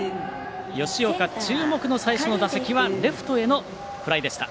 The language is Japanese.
吉岡、注目の最初の打席はレフトへのフライでした。